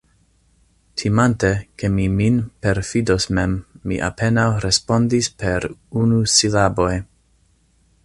Timante, ke mi min perfidos mem, mi apenaŭ respondis per unusilaboj.